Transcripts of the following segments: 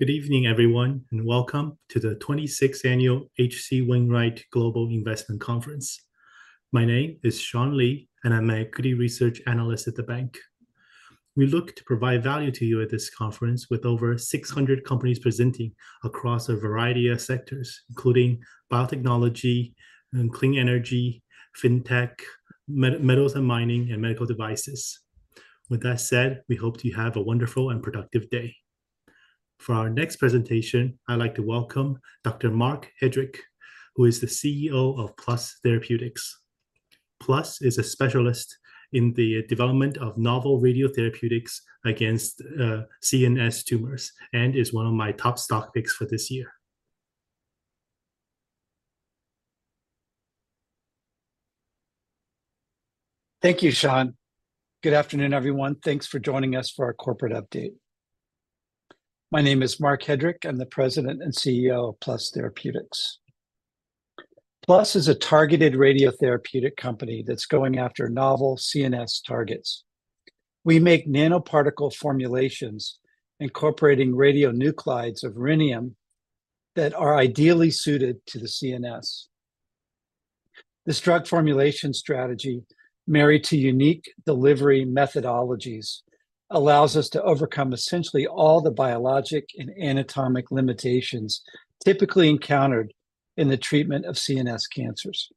Good evening, everyone, and welcome to the Twenty-Sixth Annual H.C. Wainwright Global Investment Conference. My name is Sean Lee, and I'm an Equity Research Analyst at the bank. We look to provide value to you at this conference, with over six hundred companies presenting across a variety of sectors, including Biotechnology and Clean Energy, Fintech, Metals and Mining, and Medical Devices. With that said, we hope you have a wonderful and productive day. For our next presentation, I'd like to welcome Dr. Marc Hedrick, who is the CEO of Plus Therapeutics. Plus is a specialist in the development of novel radiotherapeutics against CNS tumors, and is one of my top stock picks for this year. Thank you, Sean. Good afternoon, everyone. Thanks for joining us for our corporate update. My name is Marc Hedrick. I'm the President and CEO of Plus Therapeutics. Plus is a targeted radiotherapeutic company that's going after novel CNS targets. We make nanoparticle formulations incorporating radionuclides of rhenium that are ideally suited to the CNS. This drug formulation strategy, married to unique delivery methodologies, allows us to overcome essentially all the biologic and anatomic limitations typically encountered in the treatment of CNS cancers.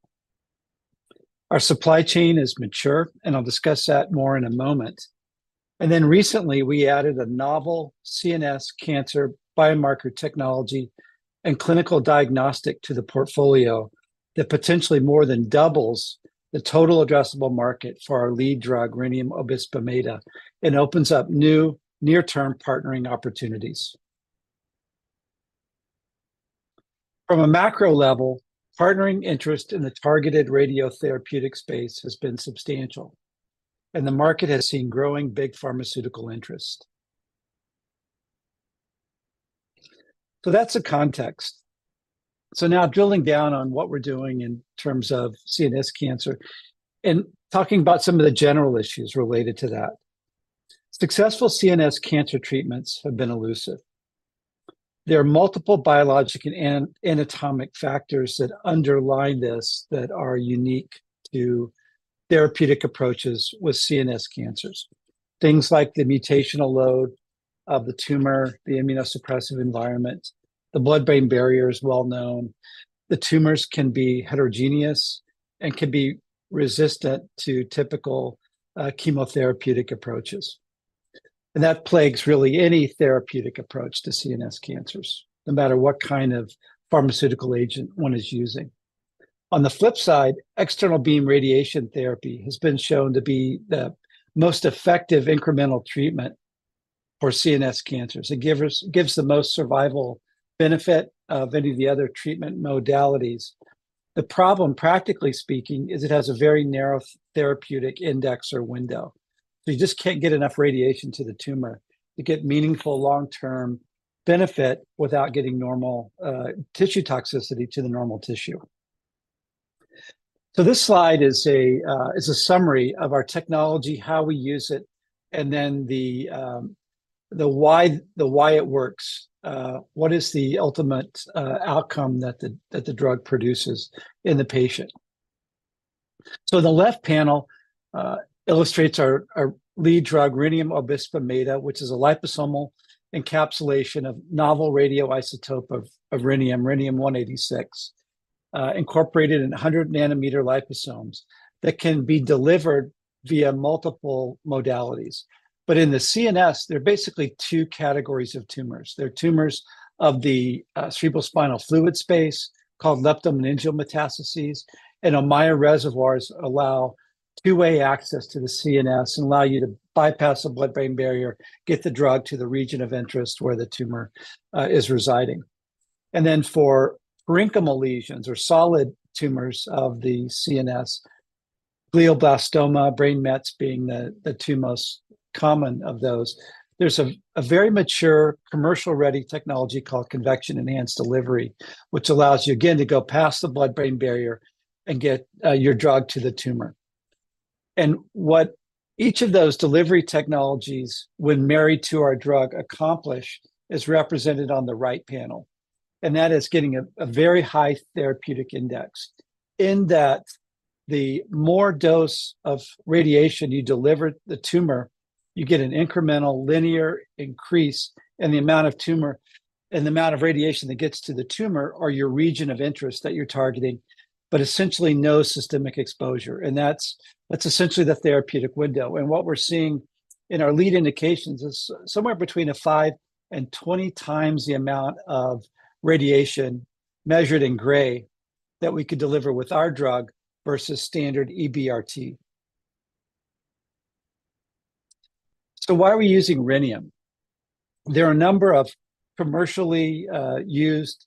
Our supply chain is mature, and I'll discuss that more in a moment, and then recently we added a novel CNS cancer biomarker technology and clinical diagnostic to the portfolio that potentially more than doubles the total addressable market for our lead drug, rhenium obisbemeda, and opens up new near-term partnering opportunities. From a macro level, partnering interest in the targeted radiotherapeutic space has been substantial, and the market has seen growing big pharmaceutical interest. So that's the context. So now drilling down on what we're doing in terms of CNS cancer, and talking about some of the general issues related to that. Successful CNS cancer treatments have been elusive. There are multiple biologic and anatomic factors that underlie this that are unique to therapeutic approaches with CNS cancers. Things like the mutational load of the tumor, the immunosuppressive environment, the blood-brain barrier is well-known. The tumors can be heterogeneous and can be resistant to typical chemotherapeutic approaches, and that plagues really any therapeutic approach to CNS cancers, no matter what kind of pharmaceutical agent one is using. On the flip side, external beam radiation therapy has been shown to be the most effective incremental treatment for CNS cancers. It gives us the most survival benefit of any of the other treatment modalities. The problem, practically speaking, is it has a very narrow therapeutic index or window, so you just can't get enough radiation to the tumor to get meaningful long-term benefit without getting normal tissue toxicity to the normal tissue. So this slide is a summary of our technology, how we use it, and then the why it works. What is the ultimate outcome that the drug produces in the patient? So the left panel illustrates our lead drug, rhenium obisbemeda, which is a liposomal encapsulation of novel radioisotope of rhenium, Rhenium-186, incorporated in 100 nanometer liposomes that can be delivered via multiple modalities. But in the CNS, there are basically two categories of tumors. There are tumors of the cerebrospinal fluid space called leptomeningeal metastases, and Ommaya reservoirs allow two-way access to the CNS and allow you to bypass the blood-brain barrier, get the drug to the region of interest where the tumor is residing. And then for parenchymal lesions or solid tumors of the CNS, glioblastoma, brain mets being the two most common of those, there's a very mature commercial-ready technology called convection-enhanced delivery, which allows you, again, to go past the blood-brain barrier and get your drug to the tumor. And what each of those delivery technologies, when married to our drug, accomplish is represented on the right panel, and that is getting a very high therapeutic index. In that, the more dose of radiation you deliver the tumor, you get an incremental linear increase in the amount of tumor. in the amount of radiation that gets to the tumor or your region of interest that you're targeting, but essentially no systemic exposure, and that's essentially the therapeutic window. And what we're seeing in our lead indications is somewhere between a five and twenty times the amount of radiation measured in gray that we could deliver with our drug versus standard EBRT. So why are we using rhenium? There are a number of commercially used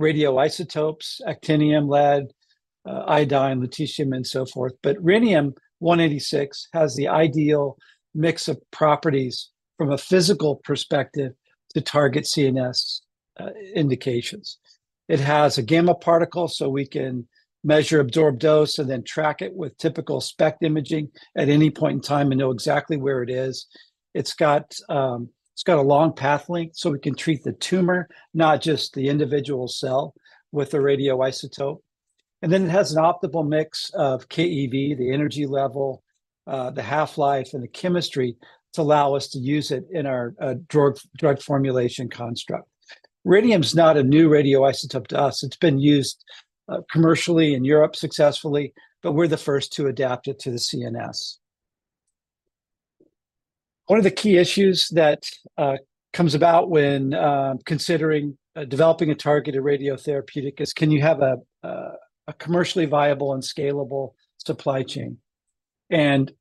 radioisotopes, actinium, lead, iodine, lutetium, and so forth, but Rhenium-186 has the ideal mix of properties from a physical perspective to target CNS indications. It has a gamma particle, so we can measure absorbed dose, and then track it with typical SPECT imaging at any point in time, and know exactly where it is. It's got a long path length, so we can treat the tumor, not just the individual cell with a radioisotope. And then it has an optimal mix of keV, the energy level, the half-life, and the chemistry to allow us to use it in our drug formulation construct. Rhenium's not a new radioisotope to us. It's been used commercially in Europe successfully, but we're the first to adapt it to the CNS. One of the key issues that comes about when considering developing a targeted radiotherapeutic is, can you have a commercially viable and scalable supply chain? And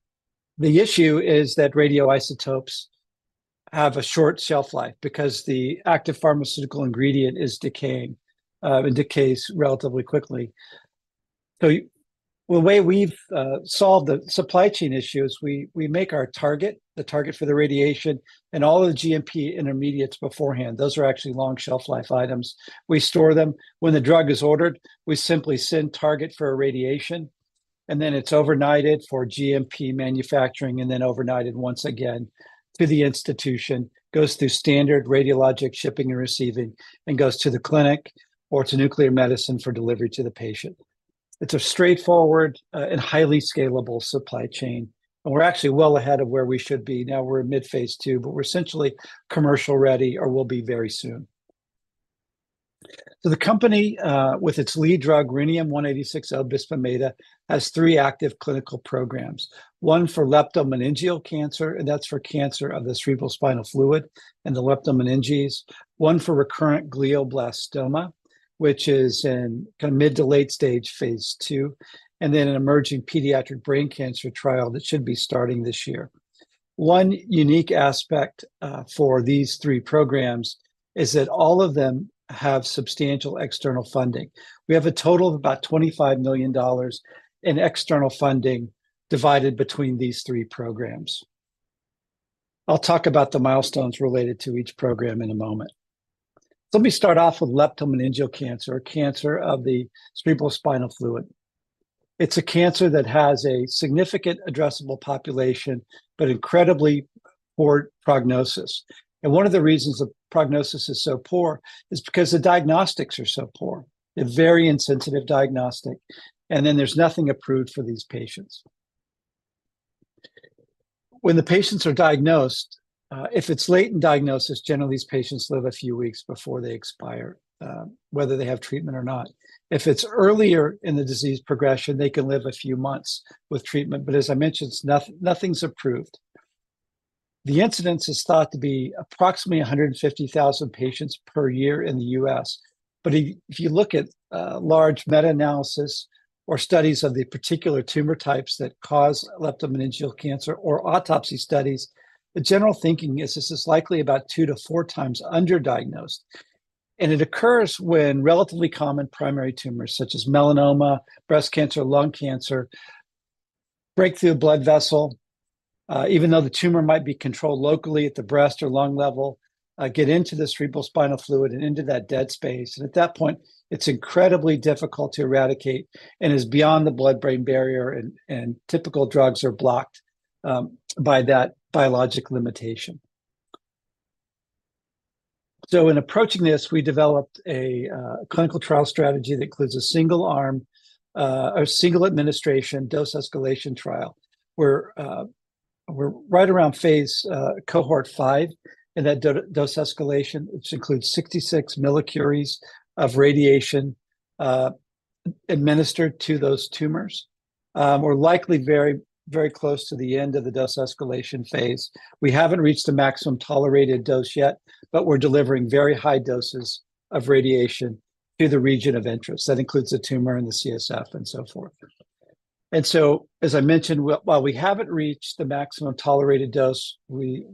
the issue is that radioisotopes have a short shelf life, because the active pharmaceutical ingredient is decaying and decays relatively quickly. So the way we've solved the supply chain issue is we make our target, the target for the radiation, and all of the GMP intermediates beforehand. Those are actually long shelf life items. We store them. When the drug is ordered, we simply send target for irradiation, and then it's overnighted for GMP manufacturing, and then overnighted once again to the institution. It goes through standard radiologic shipping and receiving, and goes to the clinic or to nuclear medicine for delivery to the patient. It's a straightforward and highly scalable supply chain, and we're actually well ahead of where we should be. Now, we're in mid-phase 2, but we're essentially commercial ready or will be very soon. So the company with its lead drug, Rhenium-186 obisbemeda, has three active clinical programs. One for leptomeningeal cancer, and that's for cancer of the cerebrospinal fluid and the leptomeninges. One for recurrent glioblastoma, which is in kinda mid to late stage phase 2, and then an emerging pediatric brain cancer trial that should be starting this year. One unique aspect for these three programs is that all of them have substantial external funding. We have a total of about $25 million in external funding divided between these three programs. I'll talk about the milestones related to each program in a moment. Let me start off with leptomeningeal cancer or cancer of the cerebrospinal fluid. It's a cancer that has a significant addressable population, but incredibly poor prognosis, and one of the reasons the prognosis is so poor is because the diagnostics are so poor. A very insensitive diagnostic, and then there's nothing approved for these patients. When the patients are diagnosed, if it's late in diagnosis, generally, these patients live a few weeks before they expire, whether they have treatment or not. If it's earlier in the disease progression, they can live a few months with treatment, but as I mentioned, nothing's approved. The incidence is thought to be approximately 150,000 patients per year in the U.S., but if you look at large meta-analysis or studies of the particular tumor types that cause leptomeningeal cancer or autopsy studies, the general thinking is this is likely about 2-4 times underdiagnosed, and it occurs when relatively common primary tumors, such as melanoma, breast cancer, lung cancer, break through a blood vessel. Even though the tumor might be controlled locally at the breast or lung level, get into the cerebrospinal fluid and into that dead space, and at that point, it's incredibly difficult to eradicate and is beyond the blood-brain barrier, and typical drugs are blocked by that biologic limitation. So in approaching this, we developed a clinical trial strategy that includes a single-arm or single administration dose escalation trial, where we're right around phase cohort five in that dose escalation, which includes 66 millicuries of radiation administered to those tumors. We're likely very, very close to the end of the dose escalation phase. We haven't reached a maximum tolerated dose yet, but we're delivering very high doses of radiation to the region of interest. That includes the tumor, and the CSF, and so forth. And so, as I mentioned, while we haven't reached the maximum tolerated dose, we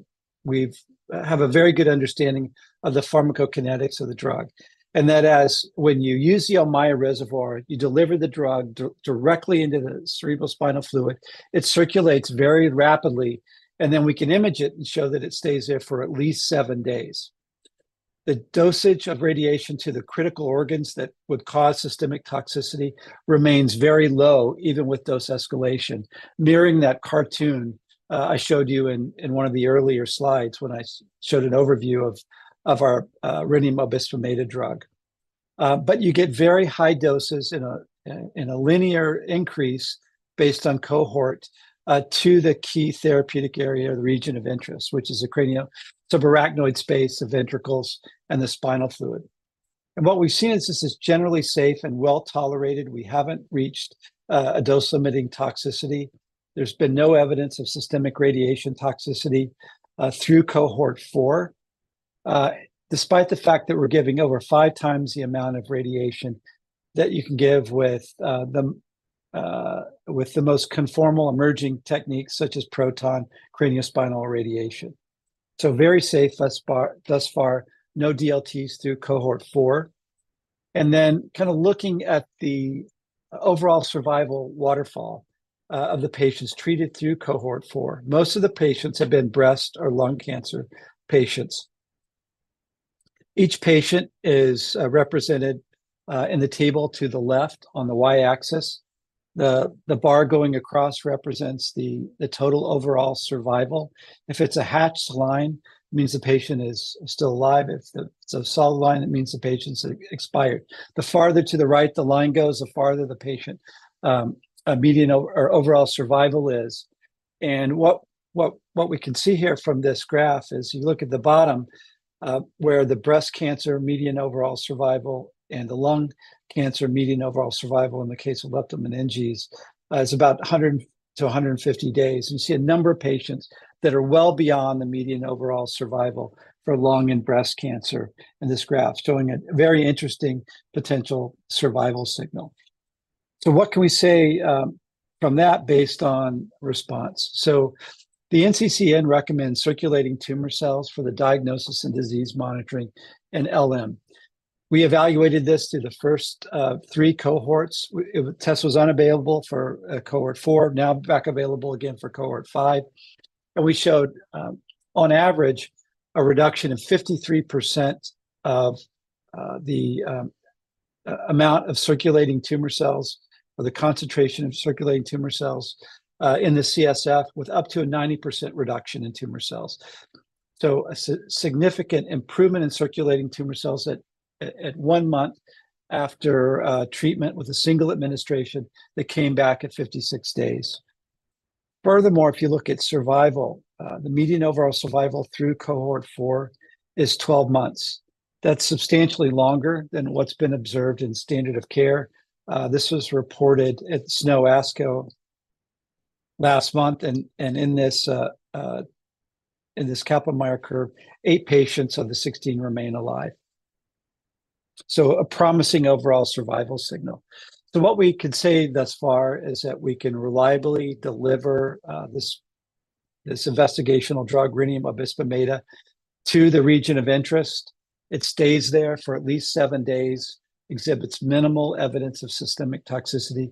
have a very good understanding of the pharmacokinetics of the drug, and that as when you use the Ommaya reservoir, you deliver the drug directly into the cerebrospinal fluid. It circulates very rapidly, and then we can image it and show that it stays there for at least seven days. The dosage of radiation to the critical organs that would cause systemic toxicity remains very low, even with dose escalation. Mirroring that cartoon, I showed you in one of the earlier slides when I showed an overview of our Rhenium obisbemeda drug. But you get very high doses in a linear increase based on cohort to the key therapeutic area or the region of interest, which is the cranial, the subarachnoid space, the ventricles, and the spinal fluid. And what we've seen is this is generally safe and well-tolerated. We haven't reached a dose-limiting toxicity. There's been no evidence of systemic radiation toxicity through cohort four despite the fact that we're giving over five times the amount of radiation that you can give with the most conformal emerging techniques, such as proton craniospinal irradiation. So very safe thus far, thus far. No DLTs through cohort four. And then kinda looking at the overall survival waterfall of the patients treated through cohort four. Most of the patients have been breast or lung cancer patients. Each patient is represented in the table to the left on the Y-axis. The bar going across represents the total overall survival. If it's a hatched line, it means the patient is still alive. If it's a solid line, it means the patient's expired. The farther to the right the line goes, the farther the patient median or overall survival is. And what we can see here from this graph is, you look at the bottom, where the breast cancer median overall survival and the lung cancer median overall survival in the case of leptomeningeal is about 100 to 150 days. You see a number of patients that are well beyond the median overall survival for lung and breast cancer, and this graph showing a very interesting potential survival signal. What can we say from that based on response? The NCCN recommends circulating tumor cells for the diagnosis and disease monitoring in LM. We evaluated this through the first three cohorts. The test was unavailable for cohort four, now back available again for cohort five. And we showed, on average, a reduction of 53% of the amount of circulating tumor cells, or the concentration of circulating tumor cells, in the CSF, with up to a 90% reduction in tumor cells. A significant improvement in circulating tumor cells at one month after treatment with a single administration that came back at 56 days. Furthermore, if you look at survival, the median overall survival through cohort four is 12 months. That's substantially longer than what's been observed in standard of care. This was reported at SNO/ASCO last month, and in this Kaplan-Meier curve, eight patients of the 16 remain alive, so a promising overall survival signal. So what we can say thus far is that we can reliably deliver this investigational drug, rhenium obisbemeda, to the region of interest. It stays there for at least seven days, exhibits minimal evidence of systemic toxicity,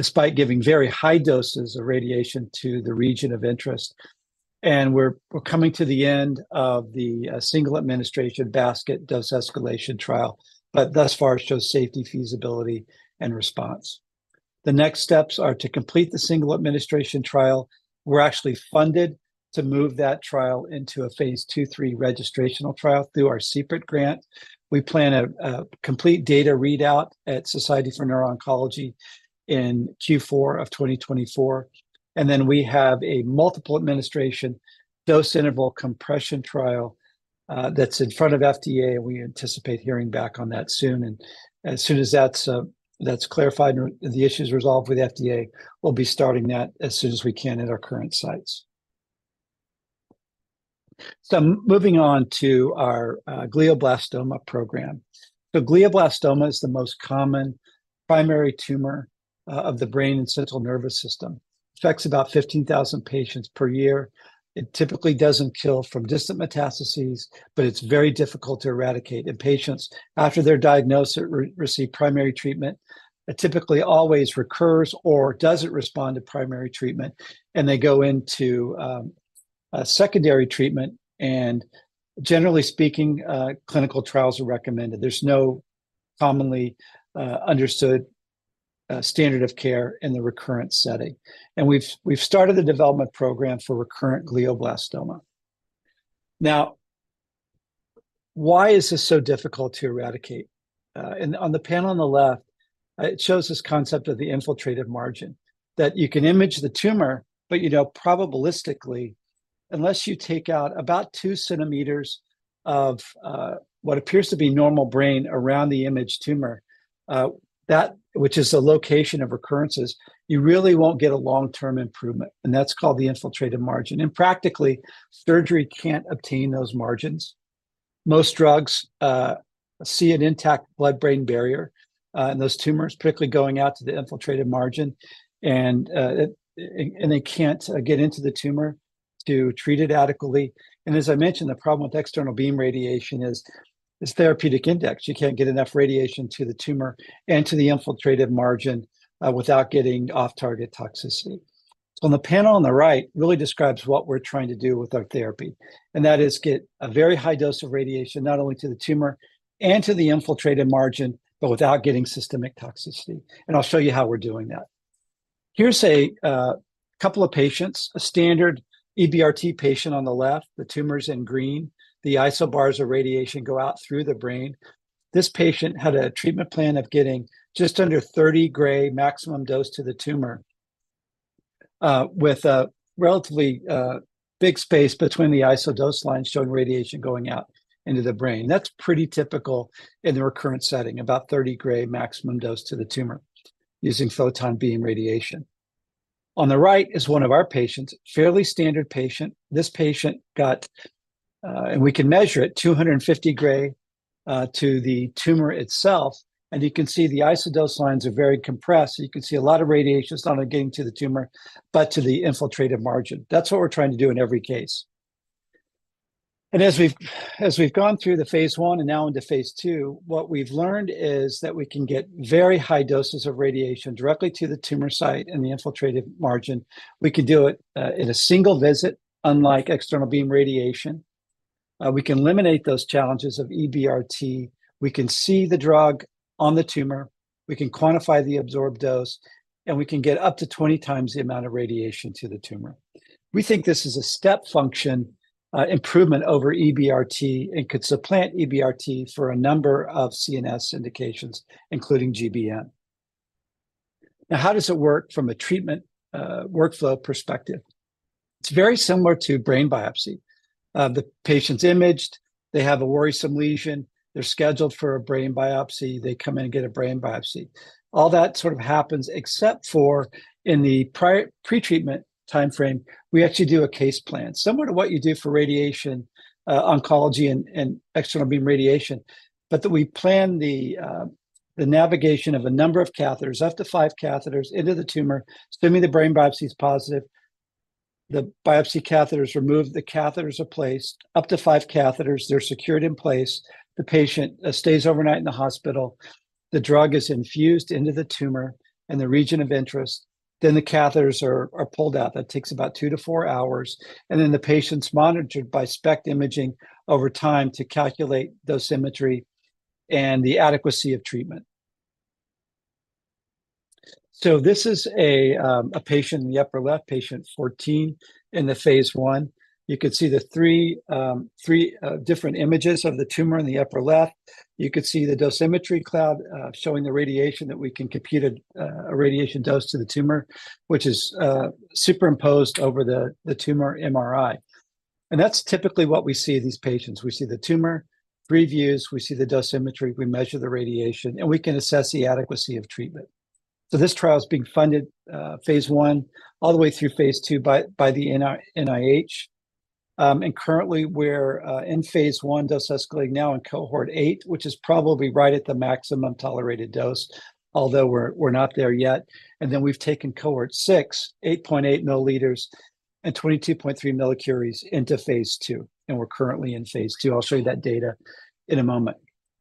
despite giving very high doses of radiation to the region of interest, and we're coming to the end of the single administration basket dose escalation trial, but thus far, it shows safety, feasibility, and response. The next steps are to complete the single administration trial. We're actually funded to move that trial into a phase two/three registrational trial through our CPRIT grant. We plan a complete data readout at Society for Neuro-Oncology in Q4 of 2024, and then we have a multiple administration dose interval compression trial that's in front of FDA, and we anticipate hearing back on that soon. As soon as that's clarified and the issue's resolved with FDA, we'll be starting that as soon as we can at our current sites. Moving on to our glioblastoma program. Glioblastoma is the most common primary tumor of the brain and central nervous system. It affects about 15,000 patients per year. It typically doesn't kill from distant metastases, but it's very difficult to eradicate, and patients, after they're diagnosed and receive primary treatment, it typically always recurs or doesn't respond to primary treatment, and they go into secondary treatment. Generally speaking, clinical trials are recommended. There's no commonly understood standard of care in the recurrent setting, and we've started the development program for recurrent glioblastoma. Now, why is this so difficult to eradicate? And on the panel on the left, it shows this concept of the infiltrative margin, that you can image the tumor, but, you know, probabilistically, unless you take out about two centimeters of what appears to be normal brain around the imaged tumor, that which is the location of recurrences, you really won't get a long-term improvement, and that's called the infiltrative margin. And practically, surgery can't obtain those margins. Most drugs see an intact blood-brain barrier, and those tumors, particularly going out to the infiltrative margin, and they can't get into the tumor to treat it adequately. And as I mentioned, the problem with external beam radiation is its therapeutic index. You can't get enough radiation to the tumor and to the infiltrative margin without getting off-target toxicity. So on the panel on the right really describes what we're trying to do with our therapy, and that is get a very high dose of radiation, not only to the tumor and to the infiltrated margin, but without getting systemic toxicity, and I'll show you how we're doing that. Here's a couple of patients, a standard EBRT patient on the left. The tumor's in green. The isodose of radiation go out through the brain. This patient had a treatment plan of getting just under 30 gray maximum dose to the tumor with a relatively big space between the isodose lines showing radiation going out into the brain. That's pretty typical in the recurrent setting, about 30 gray maximum dose to the tumor using photon beam radiation. On the right is one of our patients, fairly standard patient. This patient got, and we can measure it, 250 gray, to the tumor itself, and you can see the isodose lines are very compressed, and you can see a lot of radiation is not only getting to the tumor, but to the infiltrative margin. That's what we're trying to do in every case. As we've gone through the phase 1 and now into phase 2, what we've learned is that we can get very high doses of radiation directly to the tumor site and the infiltrative margin. We can do it in a single visit, unlike external beam radiation. We can eliminate those challenges of EBRT. We can see the drug on the tumor, we can quantify the absorbed dose, and we can get up to 20 times the amount of radiation to the tumor. We think this is a step function improvement over EBRT, and could supplant EBRT for a number of CNS indications, including GBM. Now, how does it work from a treatment workflow perspective? It's very similar to brain biopsy. The patient's imaged, they have a worrisome lesion, they're scheduled for a brain biopsy, they come in and get a brain biopsy. All that sort of happens except for in the prior, pre-treatment timeframe, we actually do a case plan, similar to what you do for radiation oncology, and external beam radiation. But that we plan the navigation of a number of catheters, up to five catheters, into the tumor, assuming the brain biopsy is positive. The biopsy catheter is removed, the catheters are placed, up to five catheters, they're secured in place. The patient stays overnight in the hospital. The drug is infused into the tumor in the region of interest, then the catheters are pulled out. That takes about two to four hours, and then the patient's monitored by SPECT imaging over time to calculate dosimetry and the adequacy of treatment. This is a patient in the upper left, patient 14 in the phase 1. You can see the three different images of the tumor in the upper left. You can see the dosimetry cloud showing the radiation, that we can compute a radiation dose to the tumor, which is superimposed over the tumor MRI. That's typically what we see in these patients. We see the tumor, three views, we see the dosimetry, we measure the radiation, and we can assess the adequacy of treatment. So this trial is being funded, phase 1 all the way through phase 2 by the NIH. And currently, we're in phase 1 dose escalating now in cohort eight, which is probably right at the maximum tolerated dose, although we're not there yet. And then we've taken cohort six, 8.8 milliliters and 22.3 millicuries into phase 2, and we're currently in phase 2. I'll show you that data in a moment.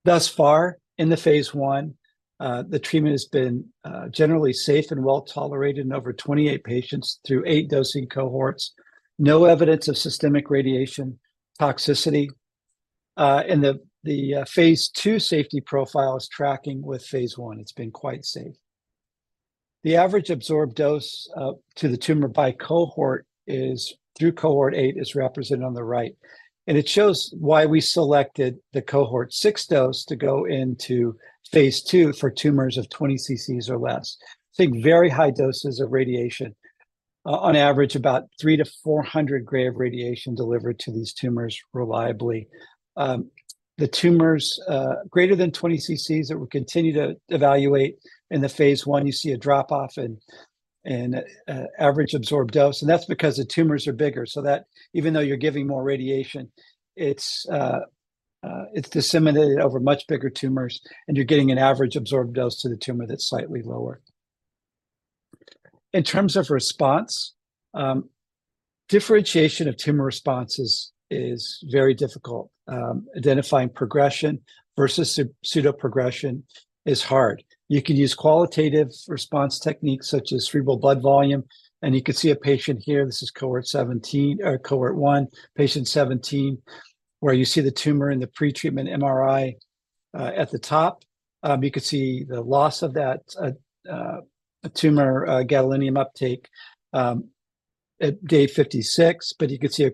Thus far, in the phase 1, the treatment has been generally safe and well-tolerated in over 28 patients through eight dosing cohorts. No evidence of systemic radiation toxicity, and the phase 2 safety profile is tracking with phase 1. It's been quite safe. The average absorbed dose to the tumor by cohort is, through cohort eight, represented on the right, and it shows why we selected the cohort six dose to go into phase 2 for tumors of 20 CCs or less. Think very high doses of radiation, on average, about three to 400 gray of radiation delivered to these tumors reliably. The tumors greater than 20 CCs that we'll continue to evaluate in the phase 1, you see a drop-off in average absorbed dose, and that's because the tumors are bigger. So that even though you're giving more radiation, it's disseminated over much bigger tumors, and you're getting an average absorbed dose to the tumor that's slightly lower. In terms of response, differentiation of tumor responses is very difficult. Identifying progression versus pseudoprogression is hard. You can use qualitative response techniques such as cerebral blood volume, and you can see a patient here, this is cohort 17, or cohort one, patient 17, where you see the tumor in the pre-treatment MRI, at the top. You can see the loss of that tumor gadolinium uptake, at day 56, but you can see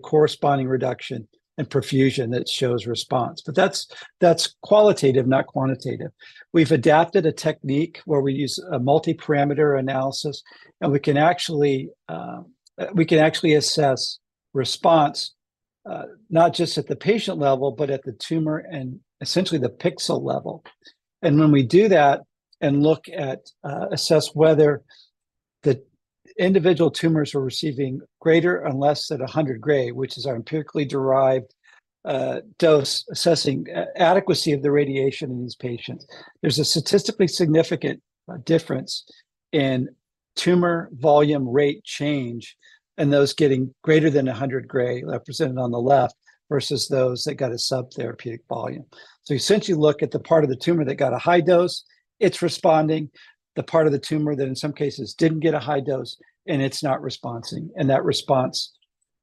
a corresponding reduction in perfusion that shows response. But that's, that's qualitative, not quantitative. We've adapted a technique where we use a multiparameter analysis, and we can actually, we can actually assess response, not just at the patient level, but at the tumor and essentially the pixel level. And when we do that and look at... Assess whether the individual tumors are receiving greater or less than 100 gray, which is our empirically derived dose, assessing adequacy of the radiation in these patients. There's a statistically significant difference in tumor volume rate change in those getting greater than 100 gray, represented on the left, versus those that got a subtherapeutic volume. So you essentially look at the part of the tumor that got a high dose. It's responding. The part of the tumor that, in some cases, didn't get a high dose, and it's not responding, and that response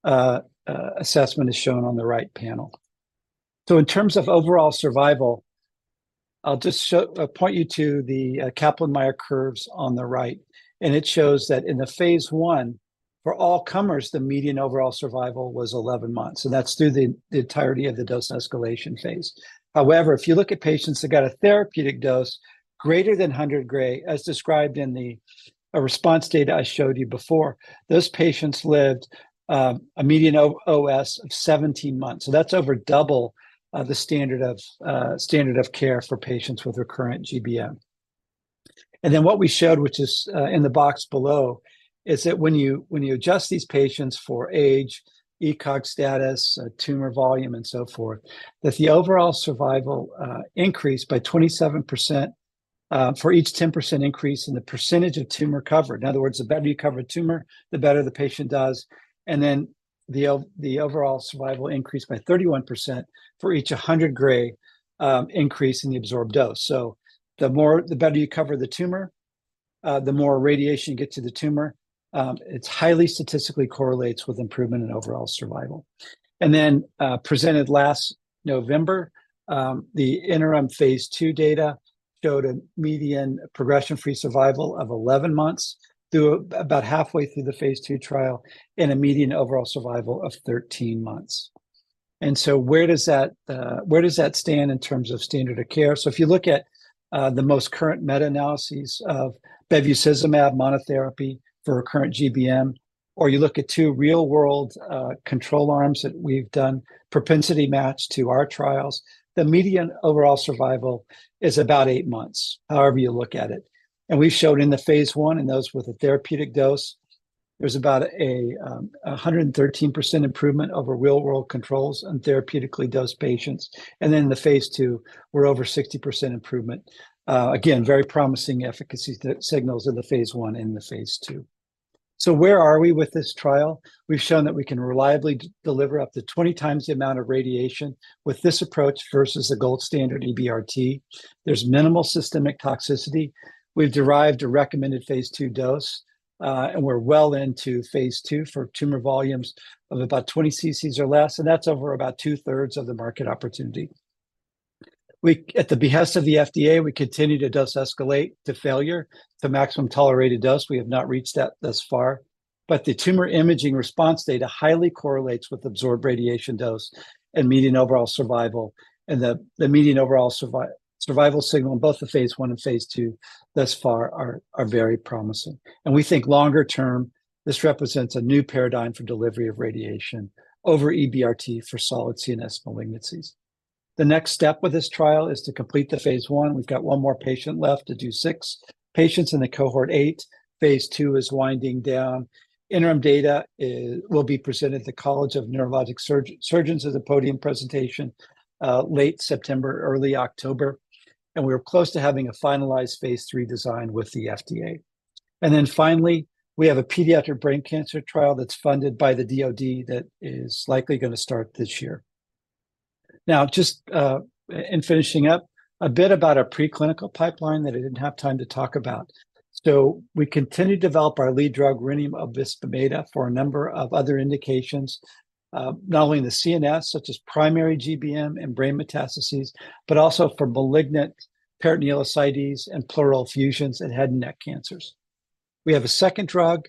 assessment is shown on the right panel. So in terms of overall survival, I'll just point you to the Kaplan-Meier curves on the right, and it shows that in the phase 1, for all comers, the median overall survival was 11 months, so that's through the entirety of the dose escalation phase. However, if you look at patients that got a therapeutic dose greater than 100 gray, as described in the response data I showed you before, those patients lived a median OS of 17 months, so that's over double the standard of care for patients with recurrent GBM. And then what we showed, which is in the box below, is that when you adjust these patients for age, ECOG status, tumor volume, and so forth, that the overall survival increased by 27%. For each 10% increase in the percentage of tumor covered. In other words, the better you cover a tumor, the better the patient does, and then the overall survival increased by 31% for each 100 gray increase in the absorbed dose. So the better you cover the tumor, the more radiation you get to the tumor. It's highly statistically correlates with improvement in overall survival, and then presented last November, the interim phase 2 data showed a median progression-free survival of 11 months through about halfway through the phase 2 trial, and a median overall survival of 13 months, and so where does that stand in terms of standard of care? So if you look at the most current meta-analysis of bevacizumab monotherapy for recurrent GBM, or you look at two real-world control arms that we've done, propensity match to our trials, the median overall survival is about eight months, however you look at it. And we've showed in the phase 1, in those with a therapeutic dose, there's about a 113% improvement over real-world controls in therapeutically dosed patients. And then in the phase 2, we're over 60% improvement. Again, very promising efficacy signals in the phase 1 and the phase 2. So where are we with this trial? We've shown that we can reliably deliver up to 20 times the amount of radiation with this approach versus the gold standard, EBRT. There's minimal systemic toxicity. We've derived a recommended phase 2 dose, and we're well into phase 2 for tumor volumes of about 20 CCs or less, and that's over about two-thirds of the market opportunity. We, at the behest of the FDA, we continue to dose escalate to failure, to maximum tolerated dose. We have not reached that thus far, but the tumor imaging response data highly correlates with absorbed radiation dose and median overall survival, and the median overall survival signal in both the phase 1 and phase 2 thus far are very promising. And we think longer term, this represents a new paradigm for delivery of radiation over EBRT for solid CNS malignancies. The next step with this trial is to complete the phase 1. We've got one more patient left to do six patients in the cohort eight. Phase 2 is winding down. Interim data will be presented at the Congress of Neurological Surgeons as a podium presentation, late September, early October, and we're close to having a finalized phase 3 design with the FDA, and then finally, we have a pediatric brain cancer trial that's funded by the DOD, that is likely gonna start this year. Now, just in finishing up, a bit about our preclinical pipeline that I didn't have time to talk about, so we continue to develop our lead drug, rhenium obisbemeda, for a number of other indications. Not only in the CNS, such as primary GBM and brain metastases, but also for malignant peritonitis and pleural effusions and head and neck cancers. We have a second drug.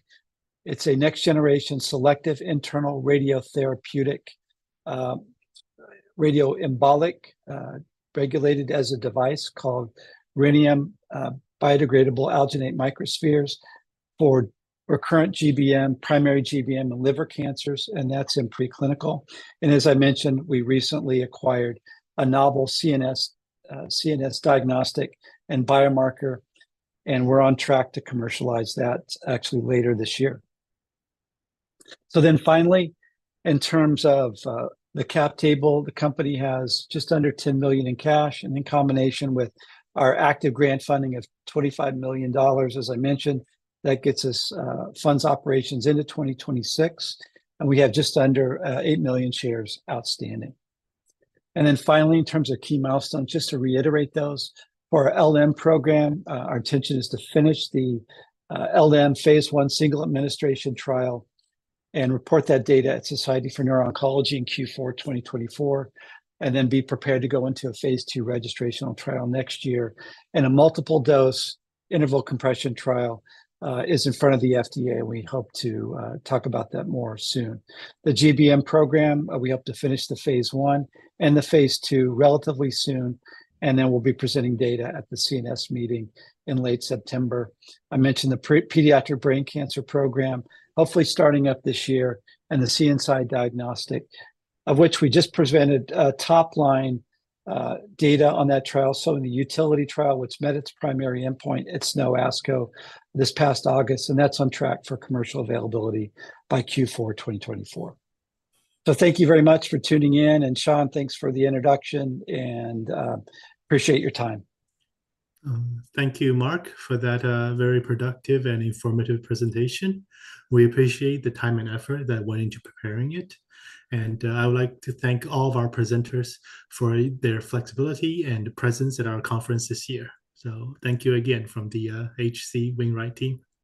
It's a next generation selective internal radiotherapeutic, radioembolic, regulated as a device called rhenium biodegradable alginate microspheres for recurrent GBM, primary GBM, and liver cancers, and that's in preclinical. And as I mentioned, we recently acquired a novel CNSide diagnostic and biomarker, and we're on track to commercialize that actually later this year. So then finally, in terms of the cap table, the company has just under $10 million in cash, and in combination with our active grant funding of $25 million, as I mentioned, that gets us funds operations into 2026, and we have just under 8 million shares outstanding. And then finally, in terms of key milestones, just to reiterate those, for our LM program, our intention is to finish the LM phase 1 single administration trial and report that data at Society for Neuro-Oncology in Q4 2024, and then be prepared to go into a phase 2 registrational trial next year. A multiple-dose interval compression trial is in front of the FDA, and we hope to talk about that more soon. The GBM program, we hope to finish the phase 1 and the phase 2 relatively soon, and then we'll be presenting data at the CNS meeting in late September. I mentioned the pediatric brain cancer program, hopefully starting up this year, and the CNSide diagnostic, of which we just presented top line data on that trial. So in the utility trial, which met its primary endpoint at SNO/ASCO this past August, and that's on track for commercial availability by Q4 2024. So thank you very much for tuning in, and Sean, thanks for the introduction, and appreciate your time. Thank you, Marc, for that very productive and informative presentation. We appreciate the time and effort that went into preparing it, and I would like to thank all of our presenters for their flexibility and presence at our conference this year. So thank you again from the H.C. Wainwright team.